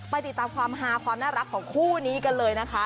ติดตามความฮาความน่ารักของคู่นี้กันเลยนะคะ